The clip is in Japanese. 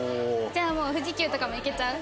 じゃあもう富士急とかも行けちゃう？